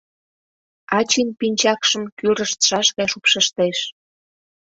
Ачин пинчакшым кӱрыштшаш гай шупшыштеш.